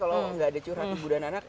kalau nggak ada curhat ibu dan anak